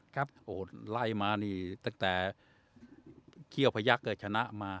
ไล่มานี่ตั้งแต่เขี้ยวพยักษ์ชนะมา